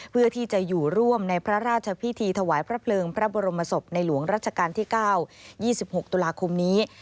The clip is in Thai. เพื่อที่จะอยู่ร่วมในพระราชพิธีถวายพระเพลิงพระบรมศพในหลวงรัชกาลที่๙๒๖ตุลาคมนี้